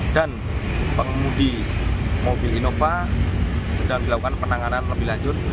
dan pengemudi mobil innova sedang dilakukan penanganan lebih lanjut